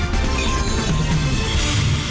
terima kasih banyak